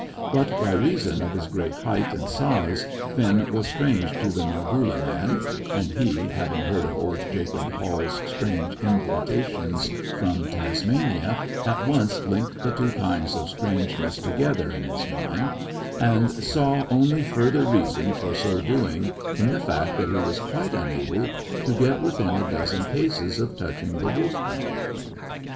But, by reason of his great height and size, Finn was strange to the Nargoola man, and he, having heard of old Jacob Hall's strange importations from Tasmania, at once linked the two kinds of strangeness together in his mind, and saw only further reason for so doing in the fact that he was quite unable to get within a dozen paces of touching the Wolfhound.